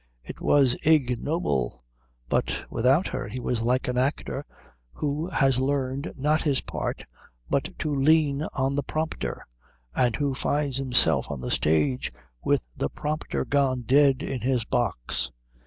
It was ignoble, but without her he was like an actor who has learned not his part but to lean on the prompter, and who finds himself on the stage with the prompter gone dead in his box.